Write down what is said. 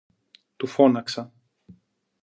του φώναξα